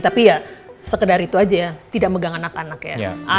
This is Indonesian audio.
tapi ya sekedar itu aja tidak megang anak anak ya